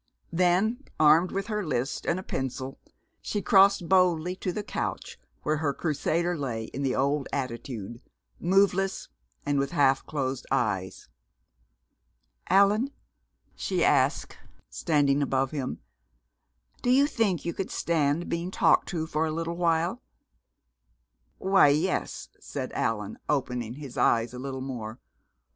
Then, armed with her list and a pencil, she crossed boldly to the couch where her Crusader lay in the old attitude, moveless and with half closed eyes. "Allan," she asked, standing above him, "do you think you could stand being talked to for a little while?" "Why yes," said Allan, opening his eyes a little more.